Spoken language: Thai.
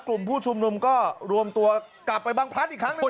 กลุ่มผู้ชุมนุมก็รวมตัวกลับไปบางพลัดอีกครั้งหนึ่ง